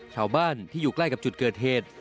ชาวบ้านที่อยู่ใกล้กับจุดเกิดเหตุ